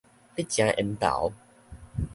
你誠緣投